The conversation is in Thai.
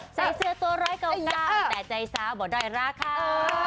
ใส่เสื้อตัวร้อยเก่าแต่ใจสาวบ่ด้อยราคา